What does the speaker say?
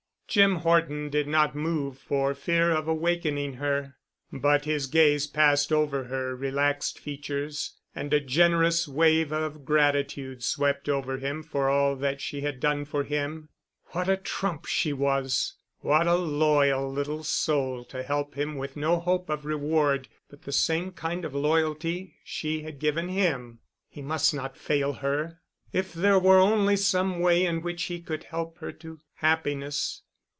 Jim Horton did not move for fear of awakening her, but his gaze passed over her relaxed features and a generous wave of gratitude swept over him for all that she had done for him. What a trump she was! What a loyal little soul to help him with no hope of reward but the same kind of loyalty she had given him. He must not fail her. If there were only some way in which he could help her to happiness.